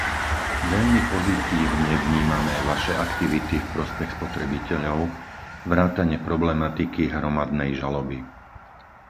Veľmi pozitívne vnímame vaše aktivity v prospech spotrebiteľov, vrátane problematiky hromadnej žaloby.